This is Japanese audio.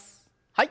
はい。